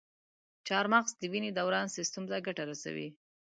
چارمغز د وینې دوران سیستم ته ګټه رسوي.